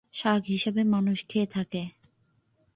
শাক হিসেবে মানুষ খেয়ে থাকে।